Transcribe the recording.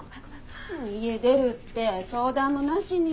家出るって相談もなしに。